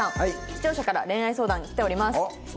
視聴者から恋愛相談が来ております。